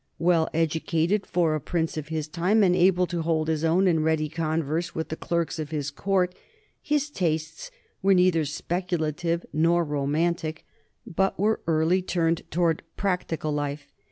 Well educated for a prince of his time and able to hold his own in ready converse with the clerks of his court, his tastes were neither speculative nor romantic, but were early turned toward practical life.